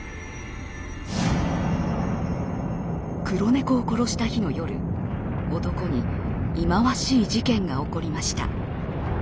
黒猫を殺した日の夜男に忌まわしい事件が起こりました。